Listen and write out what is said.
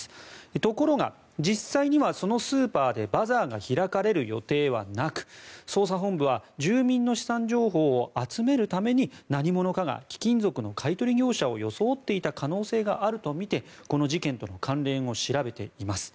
ところが、実際にはそのスーパーでバザーが開かれる予定はなく捜査本部は住民の資産情報を集めるために何者かが貴金属の買い取り業者を装っていた可能性があるとみてこの事件との関連を調べています。